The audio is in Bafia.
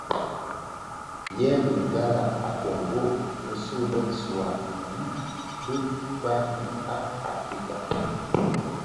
Yèè lingala a Kongo, nso lè Swuahili bi kpagi a Afrika.